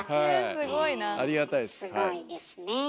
すごいですねえ。